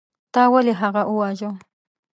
تا ولې هغه وواژه.